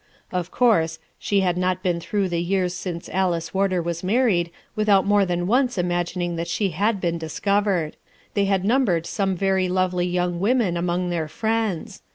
Of course she had not been through the years since Alice Warder was married without more than once imagining that she liad been discovered. They had numbered some very lovely young women among their friends.